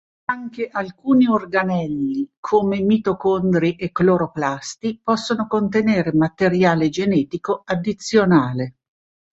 Anche alcuni organelli, come mitocondri e cloroplasti, possono contenere materiale genetico addizionale.